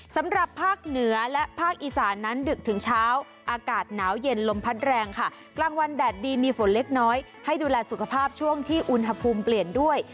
สำหรับภาคเหนือและภาคอีสานนั้นดึกถึงเช้าอากาศหนาวเย็นลมพัดแรงค่ะกลางวันแดดดีมีฝนเล็กน้อยให้ดูแลสุขภาพช่วงที่อุณหภูมิเปลี่ยนด้วย